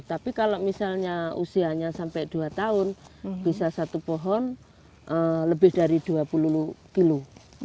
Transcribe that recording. tapi kalau misalnya usianya sampai dua tahun bisa satu pohon lebih dari dua puluh kilo